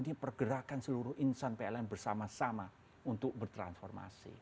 ini pergerakan seluruh insan pln bersama sama untuk bertransformasi